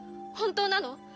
本当なの？